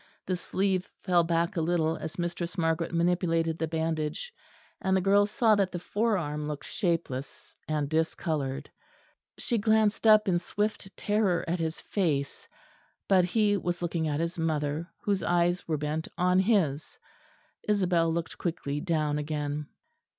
The sleeve fell back a little as Mistress Margaret manipulated the bandage; and the girl saw that the forearm looked shapeless and discoloured. She glanced up in swift terror at his face, but he was looking at his mother, whose eyes were bent on his; Isabel looked quickly down again.